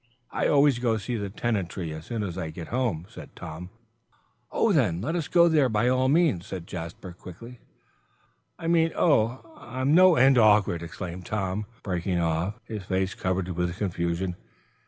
"I always go see the tenantry as soon as I get home," said Tom, simply. "Oh, then, let us go there by all means," said Jasper, quickly. "I mean oh, I'm no end awkward," exclaimed Tom, breaking off, his face covered with confusion.